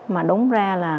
mà đúng ra là